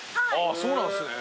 そうなんすね。